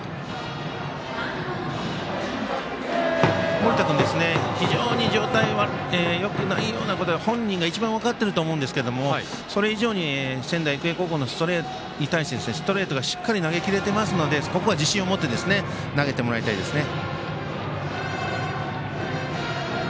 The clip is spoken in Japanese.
盛田君、非常に状態がよくないようなことは本人が一番よく分かってると思うんですけどもそれ以上に仙台育英高校に対してストレートがしっかり投げ切れてますのでここは自信を持って投げてもらいたいですね。